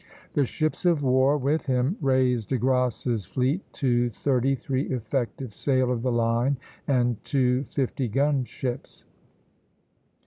The ships of war with him raised De Grasse's fleet to thirty three effective sail of the line and two fifty gun ships.